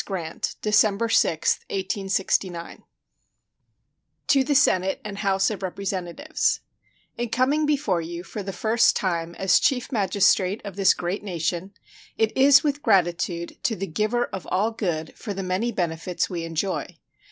Grant December 6, 1869 To the Senate and House of Representatives: In coming before you for the first time as Chief Magistrate of this great nation, it is with gratitude to the Giver of All Good for the many benefits we enjoy.